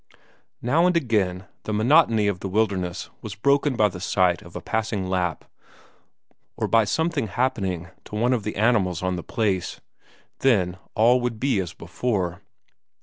Now and again the monotony of the wilderness was broken by the sight of a passing Lapp, or by something happening to one of the animals on the place, then all would be as before.